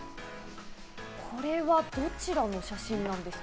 これはどちらの写真ですか？